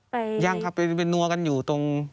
ไปยังครับไปนัวกันอยู่ตรง